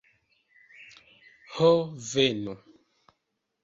Ho venu!